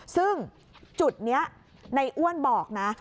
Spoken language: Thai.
ซึ่งจุดนี้ในอ้วนบอกนะ